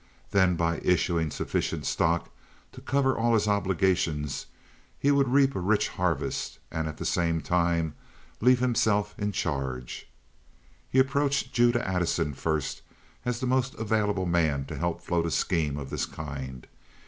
Then, by issuing sufficient stock to cover all his obligations, he would reap a rich harvest and at the same time leave himself in charge. He approached Judah Addison first as the most available man to help float a scheme of this kind.